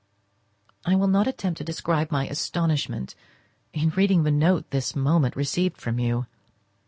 I will not attempt to describe my astonishment in reading the note this moment received from you.